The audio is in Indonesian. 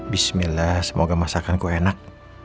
bismillah semoga masakanku enak